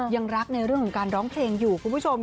ยังรักในเรื่องของการร้องเพลงอยู่คุณผู้ชม